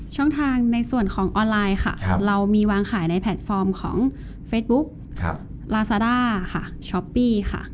ช่องทางในส่วนของออนไลน์ค่ะเรามีวางขายในแพลตฟอร์มของเฟซบุ๊กลาซาด้าค่ะช้อปปี้ค่ะ